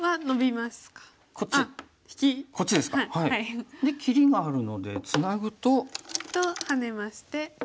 で切りがあるのでツナぐと。とハネまして。